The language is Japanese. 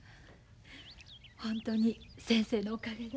本当に先生のおかげで。